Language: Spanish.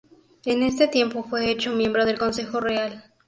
En ese tiempo fue hecho miembro del consejo real.